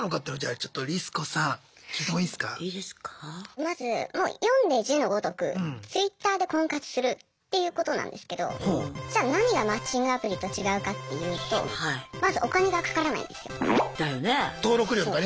まずもう読んで字のごとくＴｗｉｔｔｅｒで婚活するっていうことなんですけどじゃあ何がマッチングアプリと違うかっていうとまずお金がかからないんですよ。